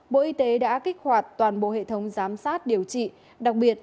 bộ y tế đã kích hoạt toàn bộ hệ thống giám sát điều trị đặc biệt